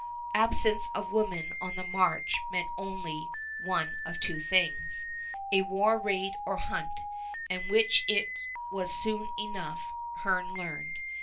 Absence of women on the march meant only one of two things, a war raid or hunt, and which it was soon enough Hearne learned.